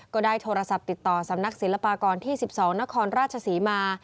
ก็ได้โทรศัพท์ติดต่อสำนักศิลปากรที่๑๒นครราชศรีมา